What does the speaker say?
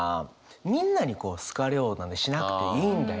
みんなに好かれようなんてしなくていいんだよと。